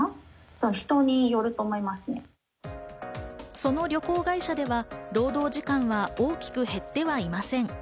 その旅行会社では労働時間は大きく減ってはいません。